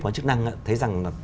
quá chức năng thấy rằng